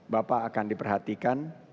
bapak akan diperhatikan